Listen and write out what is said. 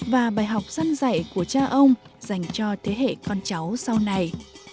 và bài học dân dạy của cha ông dành cho thế hệ con cháu sau này